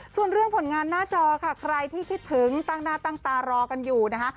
ส่วนเรื่องผลงานหน้าจอค่ะใครที่คิดถึงตั้งหน้าตั้งตารอกันอยู่นะคะ